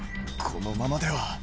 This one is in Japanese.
このままでは。